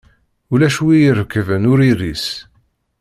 Ulac wi irekben ur iris.